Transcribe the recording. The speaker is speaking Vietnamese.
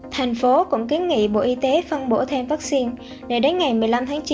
thành phố cũng kiến nghị bộ y tế phân bổ thêm vaccine để đến ngày một mươi năm tháng chín